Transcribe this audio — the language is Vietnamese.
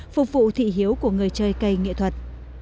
phục vụ thị hiếu của người chơi cây nghệ thuật